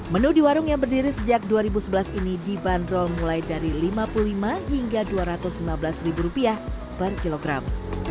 menu di warung yang berdiri sejak dua ribu sebelas ini dibanderol mulai dari rp lima puluh lima hingga rp dua ratus lima belas per kilogram